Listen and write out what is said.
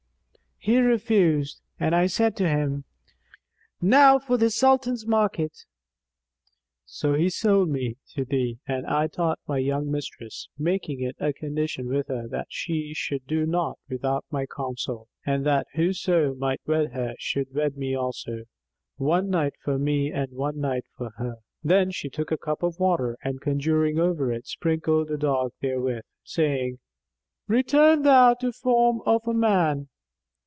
He refused and I said to him, 'Now for the Sultan's market.'[FN#255] So he sold me to thee and I taught my young mistress, making it a condition with her that she should do naught without my counsel, and that whoso might wed her should wed me also, one night for me and one night for her." Then she took a cup of water and conjuring over it, sprinkled the dog therewith; saying, "Return thou to form of man."